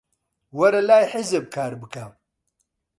وەرە لای حیزب کار بکە.